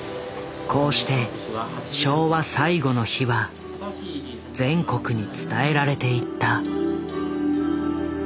こうして昭和最後の日は全国に伝えられていった。